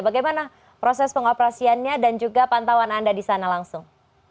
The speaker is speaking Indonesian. bagaimana proses pengoperasiannya dan juga pantauan anda di sana langsung